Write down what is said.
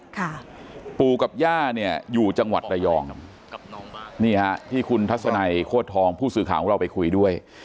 ค่ะปู่กับย่าเนี่ยอยู่จังหวัดระยองครับนี่ฮะที่คุณทัศนัยโคตรทองผู้สื่อข่าวของเราไปคุยด้วย